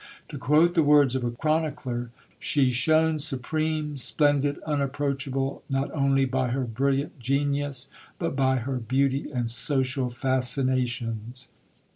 To quote the words of a chronicler, She shone supreme, splendid, unapproachable, not only by her brilliant genius, but by her beauty and social fascinations.